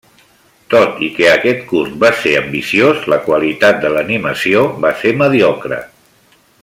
Tot i que aquest curt va ser ambiciós, la qualitat de l'animació va ser mediocre.